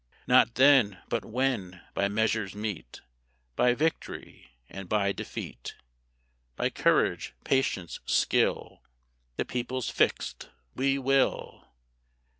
Not then; but when, by measures meet By victory, and by defeat, By courage, patience, skill, The people's fixed, "_We will!